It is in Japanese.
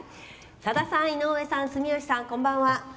「さださん、井上さん住吉さんこんばんは。